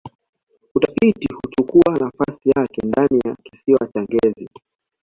utafiti huchukua nafasi yake ndani ya kisiwa cha ngezi